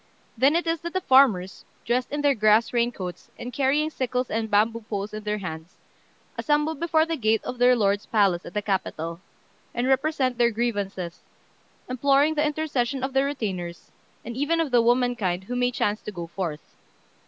Then it is that the farmers, dressed in their grass rain coats, and carrying sickles and bamboo poles in their hands, assemble before the gate of their lord's palace at the capital, and represent their grievances, imploring the intercession of the retainers, and even of the womankind who may chance to go forth.